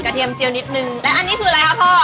เทียมเจียวนิดนึงและอันนี้คืออะไรคะพ่อ